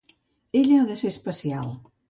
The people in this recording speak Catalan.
Ella ha de ser especial.